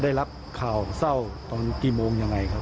ได้รับข่าวเศร้าตอนกี่โมงยังไงครับ